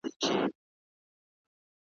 سوځلی مي باروتو د تنکۍ حوري اوربل دی `